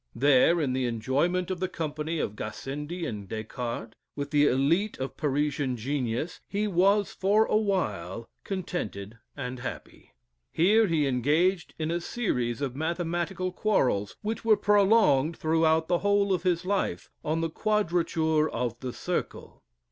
There in the enjoyment of the company of Gassendi and Descartes, with the elite of Parisian genius, he was for awhile contented and happy. Here he engaged in a series of mathematical quarrels, which were prolonged throughout the whole of his life, on the quadrature of the circle.